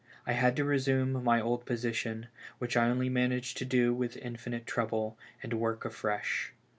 I had to resume my old position — which I only managed to do with infinite trouble — and work afresh.